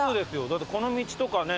だってこの道とかね。